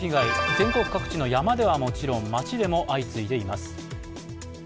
全国各地の山ではもちろん街でも相次いでいます。